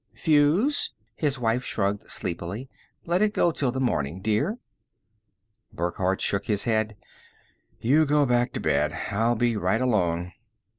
"Fuse?" His wife shrugged sleepily. "Let it go till the morning, dear." Burckhardt shook his head. "You go back to bed. I'll be right along."